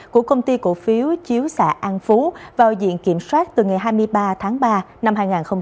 của công ty cổ phiếu chiếu xạ an phú vào diện kiểm soát từ ngày hai mươi ba tháng ba năm hai nghìn hai mươi